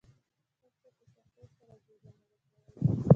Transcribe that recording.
هر چا په سختۍ خپله ګیډه مړه کوله.